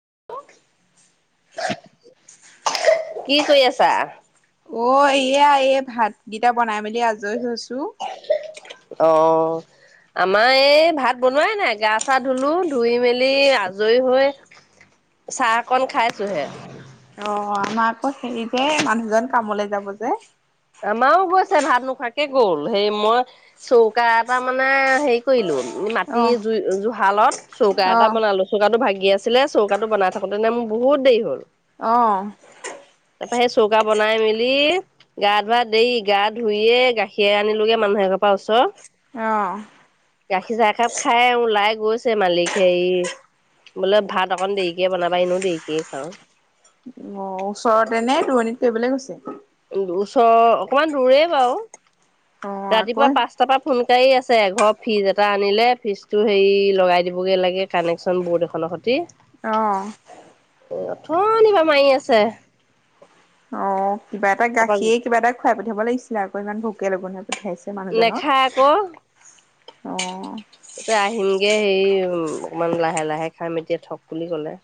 [unintelligible] কি কৰি আছা? অ' এয়া এই ভাতকেইটা বনাই মেলি আজৰি হৈছোঁ। অহ' আমাৰ এই ভাত বনোৱাই নাই গা চা ধুলো ধুই মেলি আজৰি হৈ চাহ অকন খাইছোহে। অ' আমাৰ আকৌ হেৰি যে মানুহজন কামলে যাব যে। আমাৰো গৈছে ভাত নোখোৱাকে গ'ল, সেই মই চৌকা এটা মানে হেৰি কৰিলোঁ, অ মাটি জু জুহালত চৌকা অ এটা বনালোঁ। চৌকা টো ভাগি আছিলে চৌকাটো বন বনাই থাকোঁতেনে মোৰ বহুত দেৰি হ'ল। অহ' তাৰপাৰ সেই চৌকা বনাই মেলি গা ধোৱা দেৰি গা ধুইয়ে গাখীৰ আনিলোগে মানুহে এঘ পৰা ওচৰৰ। অহ' গাখীৰ চাহ কাপ খাই ওলাই গৈছে মালিক হেই বোলে, ভাত অকন দেৰিকে বনাবা এনেও দেৰিকেই খাওঁ। অ' ওচৰতে নে দূৰণিত কৰিবলৈ গৈছে। ওচৰৰ অকমান দূৰে বাৰু, অ আকৌ ৰাতিপুৱা পাঁচটাৰ পৰা ফোন কৰি আছে। এঘৰ ফ্ৰিজ এটা আনিলে ফ্ৰিজটো হেৰি লগাই দিবগৈ লাগে কানেকশ্যন ব'ৰ্ড এখনৰ সৈতে। অহ' অথনি পৰা মাৰি আছে। অ' কিবা এটা তাৰপা গাখীৰ কিবা এটা খুৱাই পঠিয়াব লাগিছিলে, আকৌ ইমান ভোকে লঘনে। হেইছে মানুহজনক নেখায় আকৌ অ' যে আহিমগে সেই অকমান লাহে লাহে খাই মেলি থ'ক বুলি ক'লে।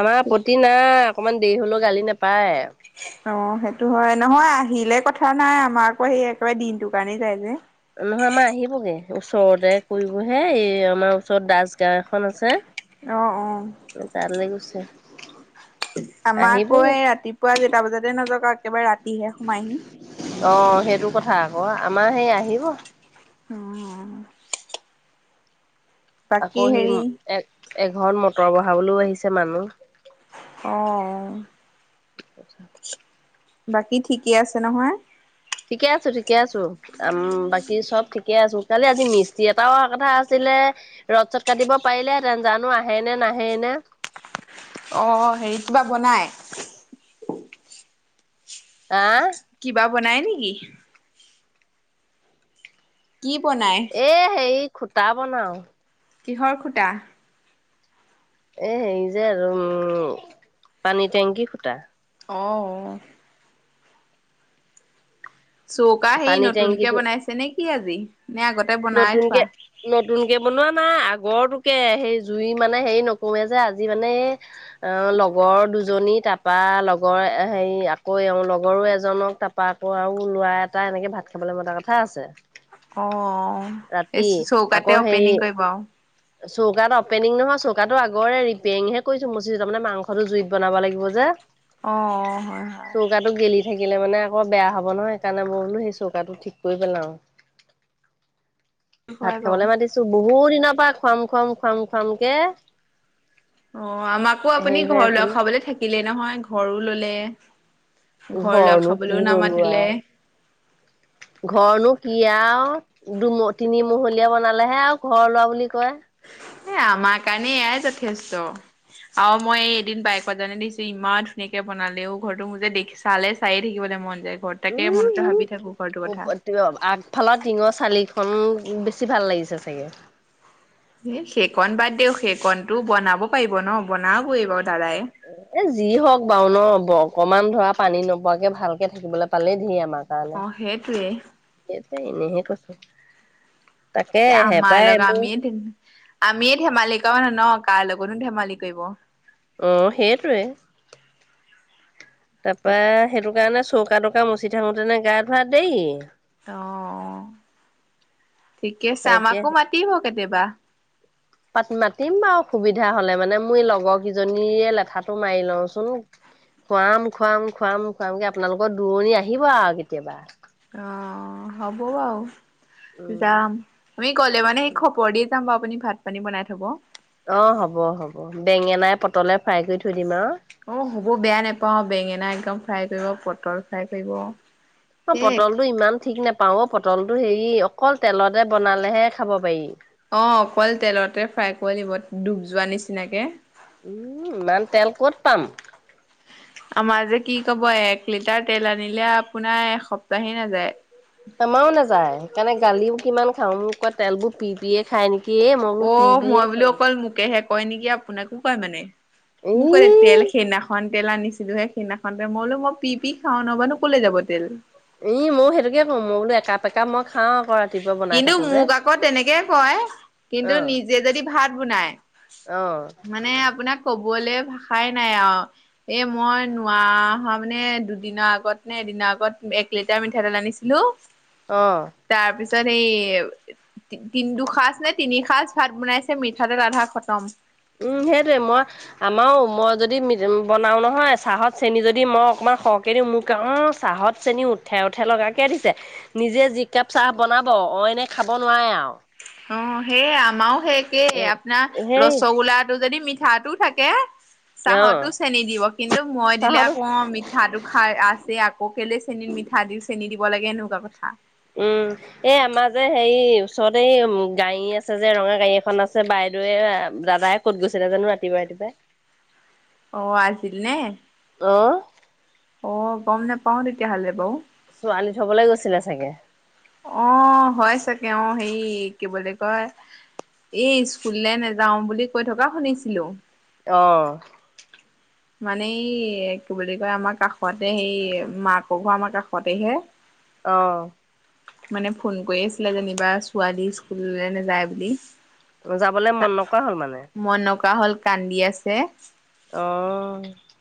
আমাৰ‌ আপত্তি নাই অকমান দেৰি হ'লেও গালি নেপাৰে। অ' সেইটো হয়, নহয় আহিলে কথা নাই আমাৰ আকৌ সেই একেবাৰে দিনটোৰ কাৰণে যাই যে। নহয়, আমাৰ আহিবগে ওচৰতে কৰিবহে এই আমাৰ ওচৰত দাস গাওঁ এখন আছে। অ' অ'। তালৈ গৈছে। আমাৰ আকৌ আহিবগে এই ৰাতিপুৱা যেইটা বজাতে নাযাওঁক আৰু একেবাৰে ৰাতিহে সোমাইহি। অ' সেইটো কথা আকৌ আমাৰ সেই আহিব। অহ' আকৌ সেই এক এঘৰত মটৰ বহাবলৈও আহিছে মানুহ। অ'অ'। কি কথা। বাকী ঠিকেই আছে নহয় ঠিকে আছো ঠিকে আছো উম বাকী চব ঠিকে আছো কালি আজি মিস্ত্ৰী এটাও কথা আছিল [unintelligible] ৰ'দ চদ কাটিব পাৰিলেহেঁতেন জানো আহে নে নাহে নে। অ হেৰি কিবা বনাই আ কিবা বনাই নিকি কি বনায় এ হেৰি খুটা বনাও কিহৰ খূটা এ হেৰি যে আৰু উম পানীৰ টেংকি খুটা অঁ চৌকা সেই পানী নতুনকে টেংকিটো বনাইছে নে কি আজি নে আগতে বনাই থোৱা? নতুনকে নতুনকে বনোৱা নাই আগ লগৰটোকে সেই জুই মানে হেৰি নকৰোৱেই যে আজি মানে এ লগৰ দুজনী তাপা লগৰ হেৰি আকৌ এওঁ লগৰো এজনক তাপা আকৌ আৰু ল'ৰা এটা এনেকে ভাত খাবলে মতা কথা আছে অ ৰাতি এই আকৌ চৌকাতে হেৰি অপেনিং কৰিব আও চৌকাত অপেনিং নহয় চৌকাটো আগৰে ৰিপেয়াৰিংহে কৰিছো মচি তাৰমানে মাংসটো জুইত বনাব লাগিব যে অ', হয়, হয়। চৌকাতো গেলি থাকিলে মানে আকৌ বেয়া হ'ব নহয় সেইকাৰণে মই বোলো সেই চৌকাটো ঠিক কৰি পেলাও ভাত হয় বাৰু। খাবলৈ মাতিছো বহুত দিনৰ পৰা খুৱাম খুৱাম খুৱাম খুৱামকে অ আমাকো আপুনি হেৰি হৈ ঘৰ লোৱা আছিলে খাবলে থাকিলে নহয় ঘৰো ললে ঘৰ লোৱা ঘৰনো কি খাবলৈও নো লোৱা নামাতিলে। ঘৰনো কি আও দুম তিনিমহলীয়া বনালেহে আৰু ঘৰ লোৱা বুলি কয় এ আমাৰ কাৰণে এয়াই যথেষ্ট আৰু মই এদিন বাইকত যাওতে দেখিছো ইমান ধুনীয়াকে বনালে অ ঘৰতো মোৰ যে দেখি চালে চায়ে থাকিবলে মন যায় ঘৰত তাকে মনতে উম ভাবি থাকো ঘৰটোৰ কথা। উম আগফালৰ টিঙৰ চালি খন বেছি ভাল লাগিছে চাগে এ সেকন বাদ দিয়ক সেকণটো বনাব পাৰিব ন বনাওই বাৰু দাদাই। অ এ যি হওক বাৰু ন অকণমান ধৰা পানী নোপোৱাকে ভালকে থাকিবলে পালেই ধৰ আমাৰ অ সেইটোৱে সে এনেহে কৈছো তাকে তে আমাৰ হেপাই লগ এইবোৰ আমিয়ে আমিয়ে ধেমালি কৰ ন কাৰ লগত নো ধেমালি কৰিব অ সেইটোৱে তাপা সেইটো কাৰণে চৌকা তৌকা মচি থাকোতেনে গা ধুৱা দে ই অ ঠিকে আছে তাৰপৰা আমাকো মাতিব কেতিয়াবা পাতি মাতিম বাৰু সুবিধা হলে মানে মোৰ লগৰ কেইজনীয়ে লেঠাটো মাৰি লওঁচোন খুৱাম খুৱাম খুৱাম খুৱামকে আপোনালোকৰ দূৰণি আহিব আৰু কেতিয়াবা অ হব বাও উম যাম, আমি গ'লে মানে সেই উম খবৰ দি যাম বাাৰু আপুনি ভাত পানী বনাই থব। অ হ'ব হ'ব বেঙেনাই পটলে ফ্ৰাই কৰি থৈ দিম আৰু। অ হ'ব বেয়া নেপাও বেঙেনা একদম ফ্ৰাই কৰিব পটল ফ্ৰাই কৰিব অ সেই পটল টো ইমান ঠিক নেপাও অ পল পটলটো হেৰি অকল তেলতে বনালেহে খাব পাৰি অ অকল তেলতে ফ্ৰাই কৰি লিব ডুব যোৱা নিচিনাকে উম ইমান তেল ক'ত পাম আমাৰ যে কি কব এক লিটাৰ তেল আনিলে আপোনাৰ এসপ্তাহে নাযায় আমাও নাযায় সেইকাৰণে গালিও কিমান খাওঁ মোক কয় তেলবোৰ পি পিয়ে খাই নিকি অ' মই বোলো অকল মোকে হে কয় নেকি আপোনাকো কয় মানে মোক মই। কলে তেল ই সেইদিনাখন তেল আনিছে। সেই সেইদিনাখন মই বোলো পি পি খাওঁ ন'ব নো ক'লে যাব তেল। ই মই সেইটোকে কওঁ, মই বোলো একাপেকা মই খাওঁ আকৌ ৰাতিপুৱা বনাই কিন্তু থাকোতে মোক আকৌ তেনেকে কয়, কিন্তু অ নিজে যদি ভাত বনাই অ মানে আপোনাক কব কলে ভাষাই নাই আৰু এ মই নোৱা হা মানে দুদিনৰ আগত নে এদিনা। আগত এক লিটাৰ মিঠা তেল আনিছিলো। অহ। তাৰপিছত সেই তিনি দুসাঁজ নে তিনি সাঁজ ভাত বনাইছে মিঠা তেল আধা খতম। উম সেইটোৱে মই আমাৰো মই যদি বনাও নহয় চাহত চেনি যদি মই অকণমান। সৰহকে দি মোক অ চাহত চেনী উঠে উঠে লগ কে দিছে নিজে যি কাপ চাহ বনাব। অ, অ, এনে খাব নোৱাৰে আৰু। অ' সেইয় আমাৰো সেই একেই, অ আপোনাৰ সেই ৰসগোল্লাটো যদি মিঠাটো থাকে অ চাহতো চেনি দিব কিন্তু মই দিলে চাহত আকৌ মিঠাটো খাই আছে আকৌ কেলে চেনি মিঠা দিওঁ চেনি দিব লাগে এনেকুৱা কথা। উম, এই আমাৰ যে হেৰি ওচৰতে এই উ গাড়ী আছে যে, ৰঙা গাড়ী এখন আছে বা এইটো দাদাই কত গৈছিল জানো ৰাতিপুৱা ৰাতিপুৱাই। অ আছিল নে? অ। অ গম নেপাও তেতিয়াহ'লে বাৰু। ছোৱালী থবলৈ গৈছিলে চাগে। অ হয় চাগে হেৰি কি বুলি কয়। এ স্কুললৈ নাযাও বুলি কৈ থকা শুনিছিলো। অ। মানে এই কি বুলি কয় আমাৰ কাষতে সেই মাকৰ ঘৰ আমাৰ কাষতেহে। অহ। মানে ফোন কৰি আছিলে যেনিবা ছোৱালী স্কুললৈ নেযায় বুলি। যাবলে মন নকৰা হ'ল মানে। কপা হ'ল কান্দি আছে। আহ।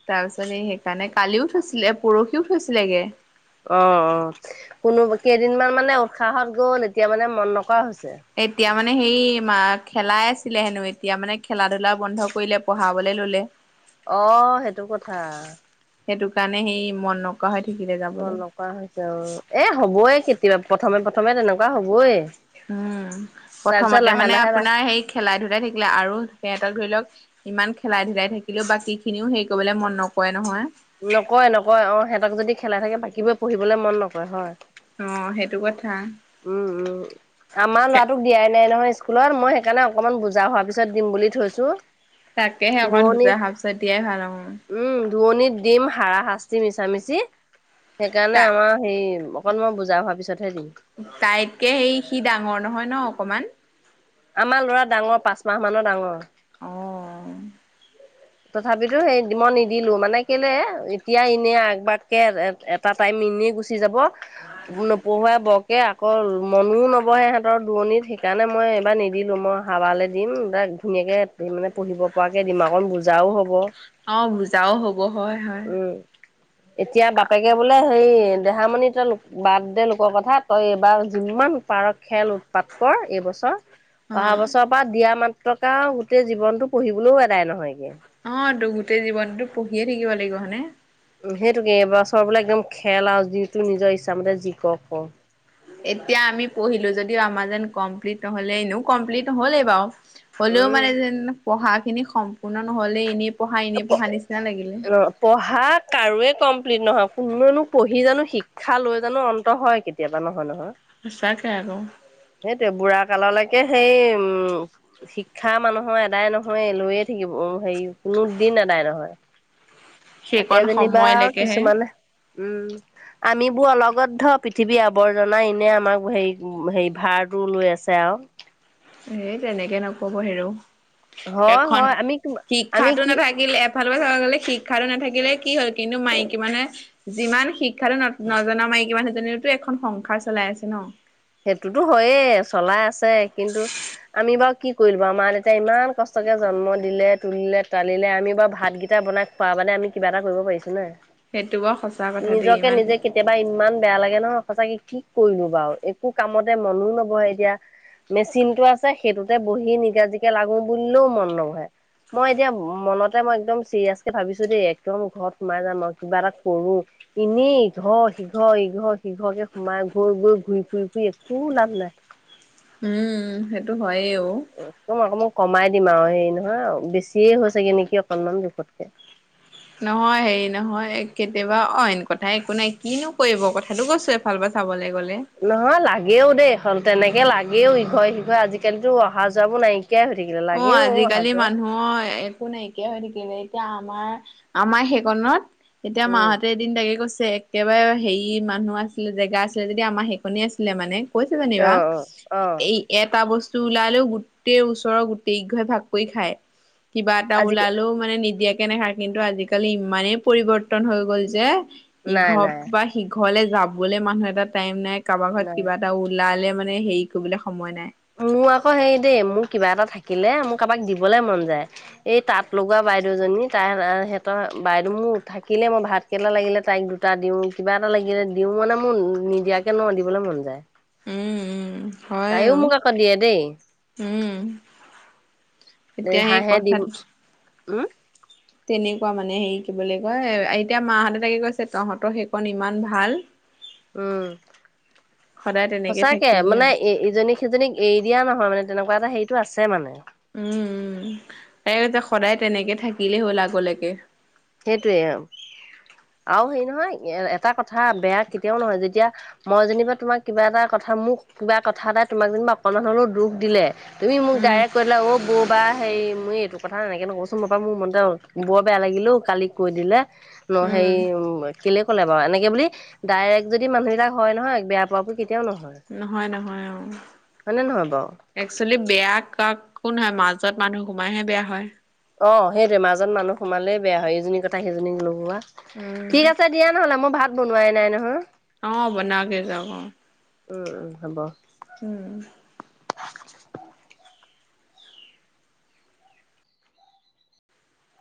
তাৰপিছত এই সেইকাৰণে কালিও থৈছিলে পৰহিও থৈছিলেগে। অ, অ, কোনো কেইদিনমান মানে উৎসাহত গ'ল, এতিয়া মানে মন নকৰা হৈছে। এতিয়া। মানে সেই মা খেলাই আছিলে হেনো এতিয়া, মানে খেলা-ধূলা বন্ধ কৰিলে পঢ়াবলে ললে। অ' সেইটো কথা। সেইটো কাৰণে সেই মনক মন নকৰা হৈছে আৰু এ হবই কেতিয়াবা প্ৰথমে প্ৰথমে তেনেকুৱা হবই। উম, তাৰ পিছত প্ৰথমতে লাহে মানে লাহে লাহ আপোনাৰ সেই খেলাই-ধূলাই থাকিলে আৰু সিহঁতক ধৰি লওক ইমান খেলাই ধেলাই থাকিলেও বাকী খিনিও হেৰি কৰিবলৈ মন নকৰে নহয়। নকয় নকয় অ সিহঁতক যদি খেলাই থাকে বাকীবোৰে পঢ়িবলৈ মন নকৰে হয়। অ সেইটো ক উম, উম, আমাৰ ল'ৰাটোক দিয়াই নাই নহয় স্কুলত মই সেইকাৰণে অকণমান বুজা হোৱা পিছত দিম বুলি থৈছো। তাকেহে অকণ ধনিৰ, বুজা সাপচাৰ দিয়াই ভাল অ। উম ধনিৰ দিম হাৰা-শাস্তি মিছা-মিচি। সেইকাৰণে তাই আমাৰ হেৰি অকণমান বুজা হোৱাৰ পিছতহে দিম। তাইতকে সেই সি ডাঙৰ নহয় নহ অকমান। আমাৰ ল'ৰা ডাঙৰ, পাঁচ মাহ মানৰ ডাঙৰ। অ। তথাপিতো সেই দিব নিদিলো মানে কেলে এতিয়া এনে আগবাগ কে এটা টাইম এনেই গুচি যাব নপহুৱাই বৰকে অকল মনো নবহে ইহঁতৰ দূৰণিত সেইকাৰণে মই এইবাৰ নিদিলোঁ মই অহাৱালৈ দিম তাক ধুনীয়াকে সেই মানে পঢ়িব পৰাকে দিমাগত বুজাও হব। অ বুজাও হ'ব হয় হয়। উম, এতিয়া বাপেকে বোলে হেৰি দেহামণি তই লো বাৰ্থডে লোকৰ কথা তই এইবাৰ যিমান পাৰ খেল উৎপাত কৰ এইবছৰ অ অহা বছৰৰ পৰা দিয়া মা টকা গোটেই জীৱনতটো পঢ়িবলৈও আদায় নহয়গে। অ', টো গোটেই জীৱনটো পঢ়িয়ে থাকিব লাগিব হয়নে। উম, সেইটোকে এইবছৰ বোলে একদম খেল আৰু যিটো নিজৰ ইচ্ছামতে জি ক'ৰ কৰ। এতিয়া আমি পঢ়িলো যদিও আমাজেন কমপ্লিট নহলে এনেও কমপ্লিট নহলেই বাৰু। হ'লেও উম মানে যে পঢ়াখিনি সম্পূৰ্ণ নহলে এনেই পঢ়া এনে পঢ়া নিচিনা লাগিলে। পঢ়া কাৰোৱে কমপ্লিট নহয় কোনেনো পঢ়ি জানো শিক্ষা লৈ জানো অন্ত হয় কেতিয়াবা নহয় নহয়। সঁচা কে আকৌ। সেইটোৱে বুঢ়া কাললৈকে সেই উম, শিক্ষা মানুহৰ এদায় নহয় লৈয়ে থাকিব হেৰি কোনো দিন আদায় নহয়। তাকে সেইকণ যেনিবা সময়লৈকেহে কিছুমান উম, আমিবোৰ অলগতধ পৃথিৱীৰ আৱৰ্জনা এনে আমাক হেৰি হে ভাৰ ৰু লৈ আছে আৰু। সেই তেনেকে নকব হেৰ, হয় এখন হয় আমি আমি শিক্ষাটো কি নাথাকিলে ভাল চাব গলে শিক্ষাটো নাথাকিলে কি হ'ল? কিন্তু মাইকী মানুহে, যিমান শিক্ষাটো নজনা মান সেই মাইকীমানুহ জনীয়োটো এখন সংসাৰ চলাই আছে ন? সেইটোতো হয়য়ে চলাই আছে, কিন্তু আমি বাৰু কি কৰিল বাৰু মা দেউতায়ে ইমান কষ্টকে জন্ম দিলে তুলিলে তালিলে আমি বা ভাতকেইটা বনাই খোৱাবাদে আমি কিবা এটা কৰিব পাৰিছোঁ নে? সেইটো বাৰু সঁচা কথা দেই নিজকে ইমান নিজে কেতিয়াবা ইমান বেয়া লাগে নহয় সচাকে কি কৰিলোঁ বাৰু একো কামতে মনো নবহে এতিয়া মেচিনটো আছে সেইটোতে বহি নিগাজিকে লাগো বুলিলেও মন নবহে। মই এতিয়া মনতে মই একদম চিৰিয়াছকে ভাবিছো দেই একদম ঘৰত সোমাই যাম কিবা এটা কৰো। এনেই ইঘৰ সিঘৰ ইঘৰ সিঘৰকে সোমাই ঘৈ গৈ ঘূৰি ফুৰি একো লাভ নাই। উম হেট [unintelligible] কমাই দিম আৰু হে নহয় বেছিয়ে হৈ চাগে নেকি অকনমান যোখতকে। নহয় হেৰি নহয় কেতিয়াবা অইন কথা একো নাই কিনো কৰিব কথাতটো কৈছো এফাল পৰা চাবলে নহয় লাগেও দেই এখন তেনেকে লাগেও ইঘ সিঘৰ আজিকালি অহা যোৱাবোৰ নাই অ' আজিকালি মানুহৰ একো নাইকিয়া হৈ থাকিলে এতিয়া আমাৰ আমাৰ সেইকনত এতিয়া উম মাহঁতে এদিন তাকে কৈছে একেবাৰে হেৰি মানুহ আছিলে জেগা আছিলে যদি আমাৰ সেইকণ আছিলে মানে। কৈছে অ জানিবা অ অ এই এটা বস্তু ওলাল লেও গোটেই ওচৰৰ গোটেই ইঘ ভাগ কৰি খাই কিবা এটা আজি ওলালেও মানে নিদিয়াক কেনেকা কিন্তু আজিকালি ইমানেই পৰিৱৰ্তন হৈ গ'ল যে নাই ইঘৰ নাই পা সিঘ ঘৰলৈ যাবলৈ মানুহ এটা টাইম নাই কাৰোবাৰ ঘৰত নাই কিবা এটা ওলালে মানে হেৰি কৰিবলৈ সময় নাই। ওম মোৰ আকৌ হেৰি দেই মোৰ কিবা এটা থাকিলে মোক কাৰোবাক দিবলে মন যায়, এই তাঁত লগোৱা বাইদেউজনী ই তাই- তাই সিহতৰ বাইদেউ মোৰ থাকিলে মই ভাতকেৰেলা লাগিলে তাইক দুটা দিওঁ কিবা এটা লাগিলে দি দিওঁ মানে মোৰ নিদিয়াকে ন' দিবলৈ মন যায়। উম-উম হয় অ, ক দিয়ে দেই। উম এতিয়া সেই হাঁহে দিম কথাত উম তেনেকুৱা মানে হেৰি কি বুলি কয়, এতিয়া মাহঁ হতে তাকে কৈছে তহঁতৰ সেইকণ ইমান ভাল। উম। সদায় তেনেকে সঁচাকে থাকিলেই মানে হ'ল ইজনী সিজনীক এৰি দিয়া নহয় মানে তেনেকুৱা এটা হেৰিতটো আছে মানে। উম উম তাকতে সদায় তেনেকে থাকিলেই হ'ল আগলৈকে। সেইটোৱে। আৰু হেৰি নহয় এ এটা কথা বেয়া কেতিয়াও নহয় যেতিয়া মই যেনিবা তোমাক কিবা এটা কথা মোক কিবা কথা এটটা তোমাক যেনিবা অকণমান হলেও দুখ দিলে তুমি মোক উম ডাইৰেক্ট কৰিলে অ বৌ বা, হেৰি মই এইটো কথা এনেকে নকবচোন মই পৰা মোৰ মতে বৰ বেয়া লাগিলো কালি কৈ দিলে। ন, উম সেই উম কেলে ক'লে বাৰু এনেকে বুলি ডাইৰেক্ট যদি মানুহবিলাক হয় নহয় বেয়া পোৱাাব নহয় নহয় অ হয়নে নহয় বাৰু? একচুৱেলি বেয়াক কোন হয় মাজত মানুহ সোমাইহে বেয়া হয়।। অ', সেইটোয়ে মাজত মানুহ সোমালেই বেয়া হয় এইজনীৰ কথা সেইজনীক লগোৱা। উম ঠিক আছে দিয়া নহলে মই ভাত বনোৱাই নাই নহয়। অ' বনওগে যাওক অ। উম, উম হ'ব। উম।